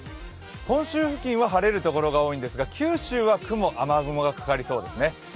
本州付近は晴れるところが多いんですが、九州は雲、雨雲がかかりそうですね